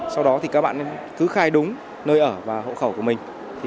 sau đó thì các bạn cứ khai đúng nơi ở và hộ khẩu của mình